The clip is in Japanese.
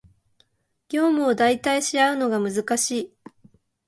業務を代替し合うのが難しい